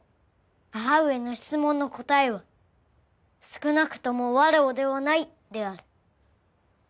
母上の質問の答えは少なくとも「わらわではない」である。